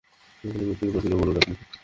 কেউ কেউ বলেন, এই মূর্তিগুলো ছিল গরুর আকৃতির।